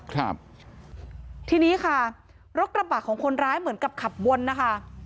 ครับทีนี้ค่ะรถกระบะของคนร้ายเหมือนกับขับวนนะคะ